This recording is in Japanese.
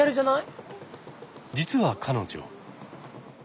実は彼女。